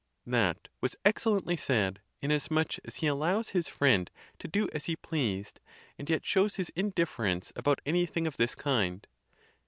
That was ex cellently said, inasmuch as he allows his friend to do as he pleased, and yet shows his indifference about anything of this kind.